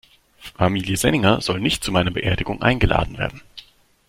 Familie Senninger soll nicht zu meiner Beerdigung eingeladen werden.